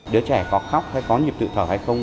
đứa trẻ có khóc hay có nhịp tự thở hay không